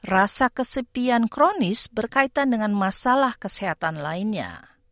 rasa kesepian kronis berkaitan dengan masalah kesehatan lainnya